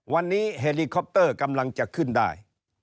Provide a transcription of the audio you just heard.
วันนี้เฮลิคอปเตอร์กำลังจะขึ้นได้